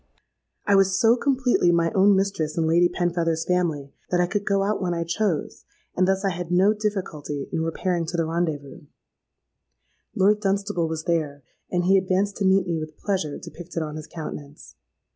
I was so completely my own mistress in Lady Penfeather's family, that I could go out when I chose; and thus I had no difficulty in repairing to the rendez vous. Lord Dunstable was there; and he advanced to meet me with pleasure depicted on his countenance.